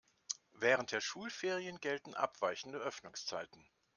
Während der Schulferien gelten abweichende Öffnungszeiten.